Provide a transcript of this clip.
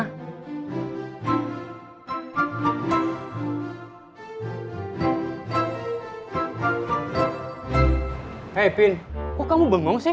hei pin kok kamu bengong sih